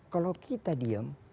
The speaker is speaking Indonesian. kalau kita diem